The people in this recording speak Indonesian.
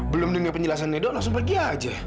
belum dengar penjelasan edu langsung pergi aja